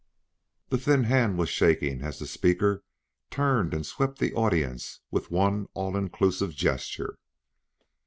The thin hand was shaking as the speaker turned and swept the audience with one all inclusive gesture.